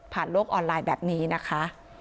โลกออนไลน์แบบนี้นะคะ